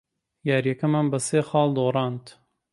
یارییەکەمان بە سێ خاڵ دۆڕاند.